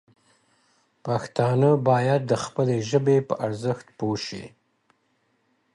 پښتانه باید د خپلې ژبې په ارزښت پوه شي.